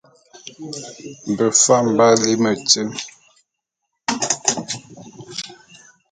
Befam b'á lí metíl.